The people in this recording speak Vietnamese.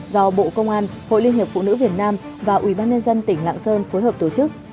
do bộ công an hội liên hiệp phụ nữ việt nam và ubnd tỉnh lạng sơn phối hợp tổ chức